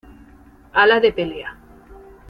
Ala De Pelea.